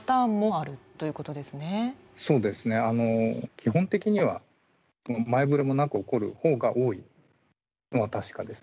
基本的には前ぶれもなく起こる方が多いのは確かです。